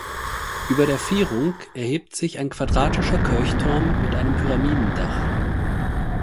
Über der Vierung erhebt sich ein quadratischer Kirchturm mit einem Pyramidendach.